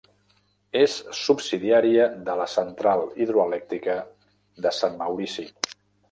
És subsidiària de la Central hidroelèctrica de Sant Maurici.